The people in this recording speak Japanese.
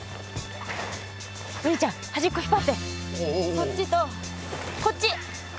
そっちとこっち。